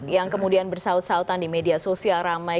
yang kemudian bersaut sautan di media sosial ramai